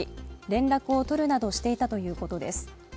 連絡を取るなどしていたということです。